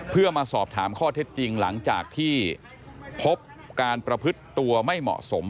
เพื่อมาสอบถามข้อเท็จจริงหลังจากที่พบการประพฤติตัวไม่เหมาะสม